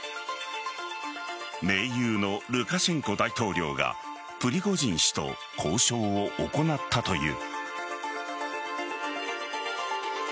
盟友のルカシェンコ大統領がプリゴジン氏と交渉を行ったという。